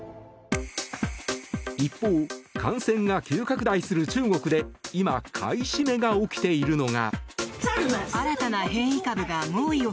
一方、感染が急拡大する中国で今、買い占めが起きているのが。